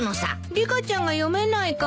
リカちゃんが読めないからよ。